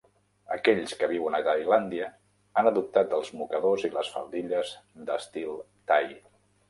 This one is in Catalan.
Aquells que viuen a Tailàndia han adoptat els mocadors i les faldilles d'estil thai.